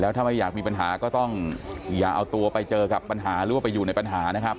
ถ้าไม่อยากมีปัญหาก็ต้องอย่าเอาตัวไปเจอกับปัญหาหรือว่าไปอยู่ในปัญหานะครับ